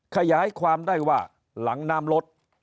ขยายความได้ว่าหลังน้ำลด